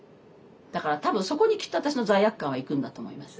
だから多分そこにきっと私の罪悪感はいくんだと思います。